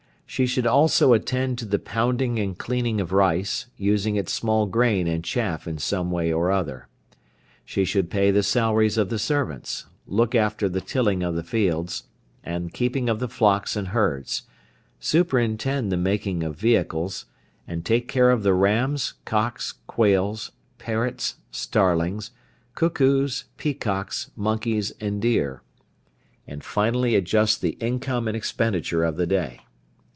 She should also attend to the pounding and cleaning of rice, using its small grain and chaff in some way or other. She should pay the salaries of the servants, look after the tilling of the fields, and keeping of the flocks and herds, superintend the making of vehicles, and take care of the rams, cocks, quails, parrots, starlings, cuckoos, peacocks, monkeys, and deer; and finally adjust the income and expenditure of the day.